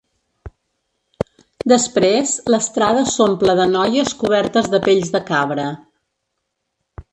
Després l'estrada s'omple de noies cobertes de pells de cabra.